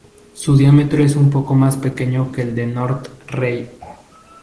Su diámetro es un poco más pequeño que el de North Ray.